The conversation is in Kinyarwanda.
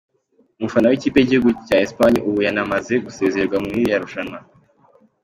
Umufana w’ikipe y’igihugu cya Espagne ubu yanamaze gusezererwa muri ririya rushanwa :.